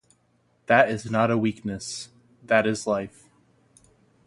That is not a weakness; that is life.